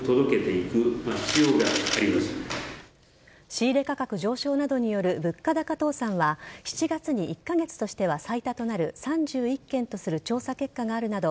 仕入れ価格上昇などによる物価高倒産は７月に１カ月としては最多となる３１件とする調査結果があるなど